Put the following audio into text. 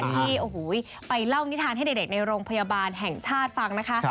ที่ไปเล่านิทานให้เด็กในโรงพยาบาลแห่งชาติฟังนะคะ